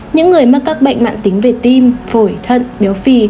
những người mắc các bệnh mạng tính về tim phổi thận béo phì